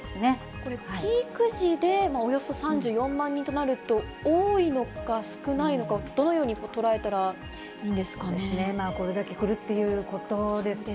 これ、ピーク時でおよそ３４万人となると、多いのか少ないのか、どのよこれだけ来るということです